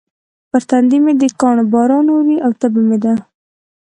پر تندي مې د کاڼو باران اوري او تبه مې ده.